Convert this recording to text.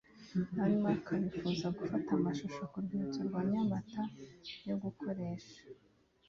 denmark bifuza gufata amashusho ku rwibutso rwa nyamata yo gukoresha